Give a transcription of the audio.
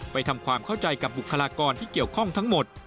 ทำความเข้าใจกับบุคลากรที่เกี่ยวข้องทั้งหมด